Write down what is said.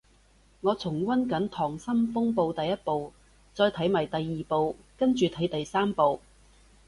我重溫緊溏心風暴第一部，再睇埋第二部跟住睇第三部